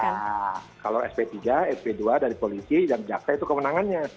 nah kalau sp tiga sp dua dari polisi dan jaksa itu kewenangannya